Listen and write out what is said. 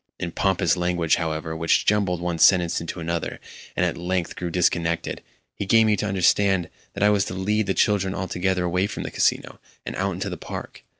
In pompous language, however, which jumbled one sentence into another, and at length grew disconnected, he gave me to understand that I was to lead the children altogether away from the Casino, and out into the park.